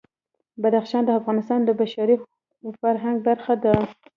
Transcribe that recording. بدخشان د افغانستان د بشري فرهنګ برخه ده.